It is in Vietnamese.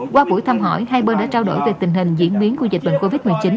qua buổi thăm hỏi hai bên đã trao đổi về tình hình diễn biến của dịch bệnh covid một mươi chín